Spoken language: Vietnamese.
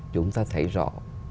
chúng ta thấy rõ